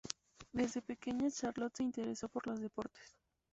Desde pequeña Charlotte se interesó por los deportes.